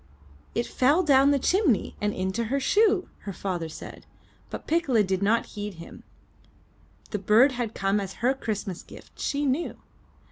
"It fell down the chimney and into her shoe!" her father said; but Piccola did not heed him. The bird had come as her Christmas gift, she knew.